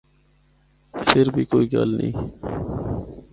فر بھی کوئی گل نیں۔